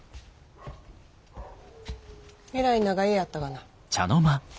えらい長湯やったがな。